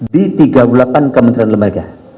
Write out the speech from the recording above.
di tiga puluh delapan kementerian lembaga